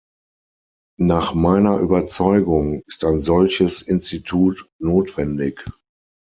Nach meiner Überzeugung ist ein solches Institut notwendig.